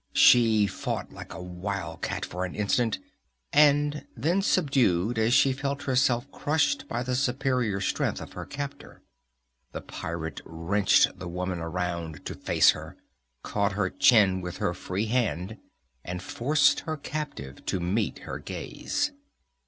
She fought like a wildcat for an instant, and then subsided as she felt herself crushed by the superior strength of her captor. The pirate wrenched the woman around to face her, caught her chin with her free hand and forced her captive to meet her gaze.